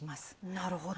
なるほど。